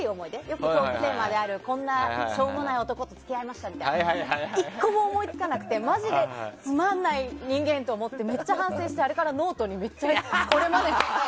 よくトークテーマであるこんなしょうもない男と付き合いましたみたいなのが１個も思いつかなくてマジでつまんない人間って思ってめっちゃ反省してあれからノートに。